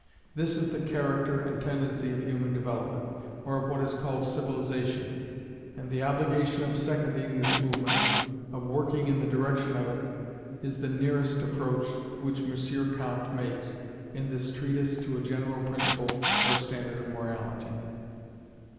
This is the character and tendency of human development, or of what is called civilization; and the obligation of seconding this movement of working in the direction of it is the nearest approach which M. Comte makes in this treatise to a general principle or standard of morality.